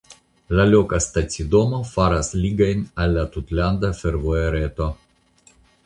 La loka stacidomo faras ligojn al la tutlanda fervoja reto.